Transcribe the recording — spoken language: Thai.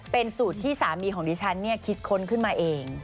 เป็นสูตรที่สามีของดิฉันคิดค้นขึ้นมาเอง